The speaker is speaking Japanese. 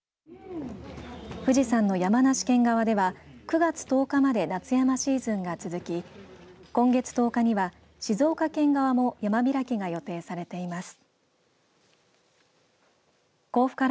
富士山の山梨県側では９月１０日まで夏山シーズンが続き今月１０日には静岡県側も山開きが予定されています。